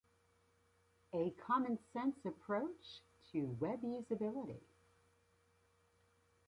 A Common Sense Approach to Web Usability.